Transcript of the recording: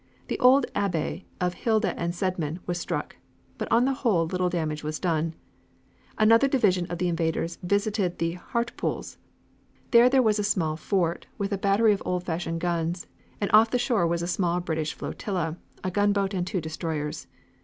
The old Abbey of Hilda and Cedman was struck, but on the whole little damage was done. Another division of the invaders visited the Hartlepools. There there was a small fort, with a battery of old fashioned guns, and off the shore was a small British flotilla, a gunboat and two destroyers.